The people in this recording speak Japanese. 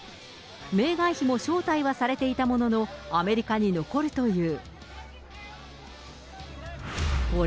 メーガン妃も招待はされていたものの、アメリカに残るという。